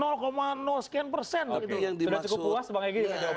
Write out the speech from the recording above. sudah cukup puas bang egy jawabannya tadi